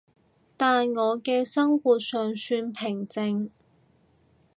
但我嘅生活尚算平靜